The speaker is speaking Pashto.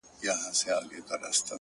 ه یاره ولي چوپ یې مخکي داسي نه وې!!